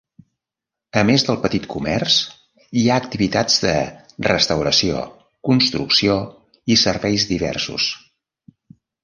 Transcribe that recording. A més del petit comerç, hi ha activitats de restauració, construcció i serveis diversos.